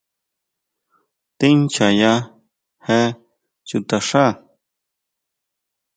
¿Tíʼnchjaya je chuta xá?